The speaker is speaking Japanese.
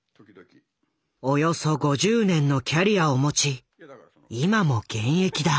およそ５０年のキャリアを持ち今も現役だ。